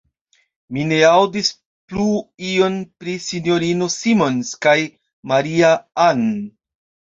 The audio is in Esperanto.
Mi ne aŭdis plu ion pri S-ino Simons kaj Maria-Ann.